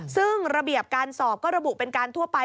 ซึ่งระเบียบการสอบก็ระบุเป็นการทั่วไป